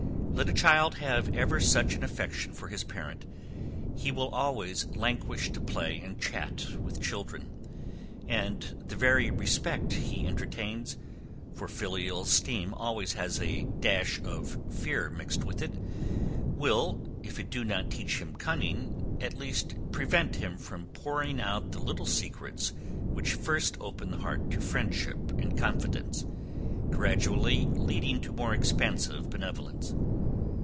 Let a child have ever such an affection for his parent, he will always languish to play and chat with children; and the very respect he entertains, for filial esteem always has a dash of fear mixed with it, will, if it do not teach him cunning, at least prevent him from pouring out the little secrets which first open the heart to friendship and confidence, gradually leading to more expansive benevolence.